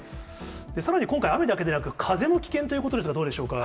さらに今回、雨だけではなく、風も危険ということですが、どうでしょうか。